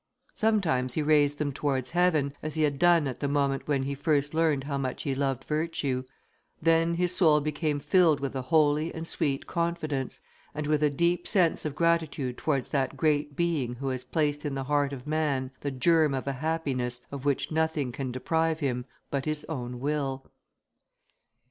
Sometimes he raised them towards heaven, as he had done at the moment when he first learned how much he loved virtue: then his soul became filled with a holy and sweet confidence, and with a deep sense of gratitude towards that great Being who has placed in the heart of man the germ of a happiness of which nothing can deprive him, but his own will.